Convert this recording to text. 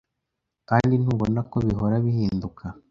Kandi ntubona ko bihora bihinduka